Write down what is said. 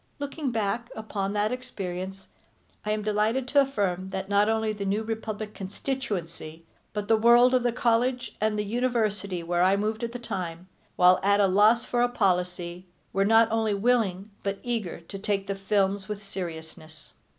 Looking back upon that experience I am delighted to affirm that not only The New Republic constituency but the world of the college and the university where I moved at that time, while at loss for a policy, were not only willing but eager to take the films with seriousness.